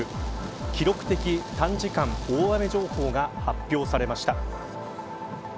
記録的短時間大雨情報が発表されました。